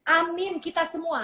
amin kita semua